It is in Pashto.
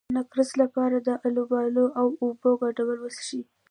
د نقرس لپاره د الوبالو او اوبو ګډول وڅښئ